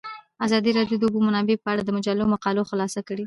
ازادي راډیو د د اوبو منابع په اړه د مجلو مقالو خلاصه کړې.